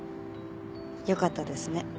よかったですね。